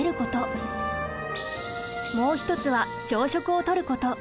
もう一つは朝食をとること。